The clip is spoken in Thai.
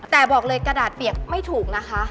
แต่บอกเลยกระดาษเปียกไม่ถูกนะคะ